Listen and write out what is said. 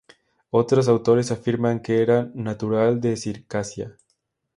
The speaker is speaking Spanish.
Otras autores afirman que era natural de Circasia.